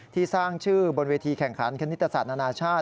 ที่สร้างชื่อบนเวทีแข่งขันคณิตศาสตร์นานาชาติ